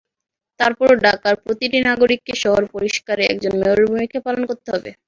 তারপরও ঢাকার প্রতিটি নাগরিককে শহর পরিষ্কারে একজন মেয়রের ভূমিকা পালন করতে হবে।